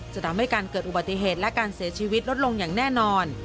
จะทำให้การเกิดอุบัติเหตุและการเสียชีวิตลดลงอย่างแน่นอน